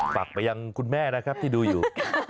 ฝากไปยังคุณแม่นะครับที่ดูอยู่